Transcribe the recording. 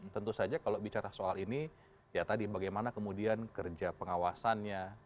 tentu saja kalau bicara soal ini ya tadi bagaimana kemudian kerja pengawasannya